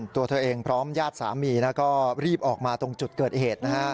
ตัวเธอเองพร้อมญาติสามีก็รีบออกมาตรงจุดเกิดเหตุนะฮะ